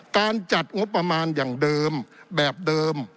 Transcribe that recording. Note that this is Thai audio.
การจัดงบประมาณอย่างเดิมแบบเดิม